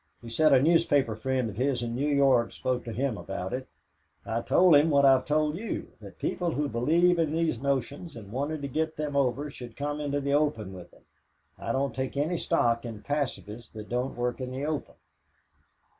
He said a newspaper friend of his in New York spoke to him about it. I told him what I've told you: that people who believed in these notions and wanted to get them over should come into the open with them. I don't take any stock in pacifists that don't work in the open."